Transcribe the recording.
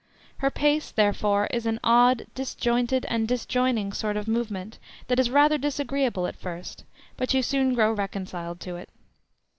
Her pace, therefore, is an odd, disjointed and disjoining, sort of movement that is rather disagreeable at first, but you soon grow reconciled to it.